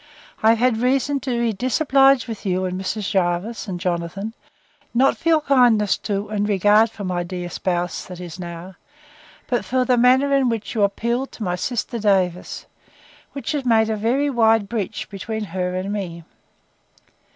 I have had reason to be disobliged with you, and Mrs. Jervis and Jonathan, not for your kindness to, and regard for, my dear spouse, that now is, but for the manner, in which you appealed to my sister Davers; which has made a very wide breach between her and me.